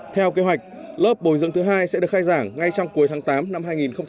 theo kế hoạch lớp bồi dựng thứ hai sẽ được khai giảng ngay trong cuối tháng tám năm hai nghìn một mươi tám